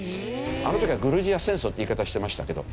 あの時はグルジア戦争って言い方してましたけど。